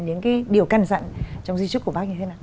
những cái điều căn dặn trong di trúc của bác như thế nào